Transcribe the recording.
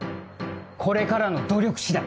これからの努力次第だ。